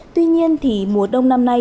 tuy nhiên thì mùa đông năm nay